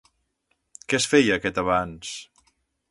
Què es feia aquest abans?